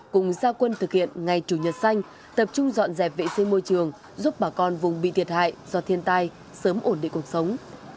cùng gia quân thực hiện ngày chủ nhật xanh tập trung dọn dẹp vệ sinh môi trường giúp bà con vùng bị thiệt hại do thiên tai sớm ổn định cuộc sống